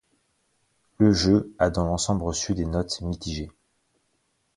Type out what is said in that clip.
Le jeu a dans l'ensemble reçu des notes mitigées.